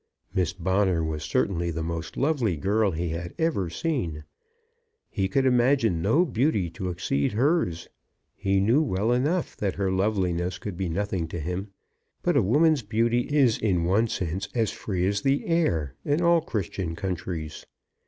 Miss Bonner was certainly the most lovely girl he had ever seen. He could imagine no beauty to exceed hers. He knew well enough that her loveliness could be nothing to him; but a woman's beauty is in one sense as free as the air in all Christian countries.